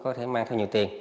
có thể mang thêm nhiều tiền